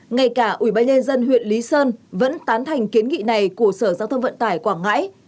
ngay cả ủy ban nhân dân huyện lý sơn vẫn tán thành kiến nghị này của sở giao thông vận tải quảng ngãi